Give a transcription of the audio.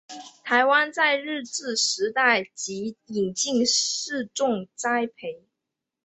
台湾在日治时代即引进试种栽培。